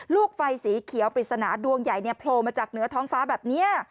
ลูกไฟสีเขียวปริศนาดวงใหญ่โผล่มาจากเหนือท้องฟ้าแบบนี้